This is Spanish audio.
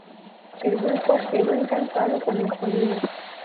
El grupo quedó encantado con el sonido.